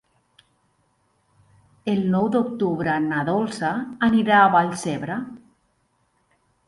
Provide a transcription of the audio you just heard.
El nou d'octubre na Dolça anirà a Vallcebre.